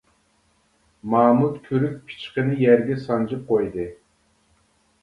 مامۇت كۈرۈك پىچىقىنى يەرگە سانجىپ قويدى.